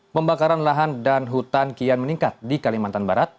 pembakaran lahan dan hutan kian meningkat di kalimantan barat